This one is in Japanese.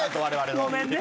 ごめんね。